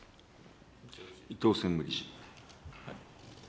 伊藤専務理事。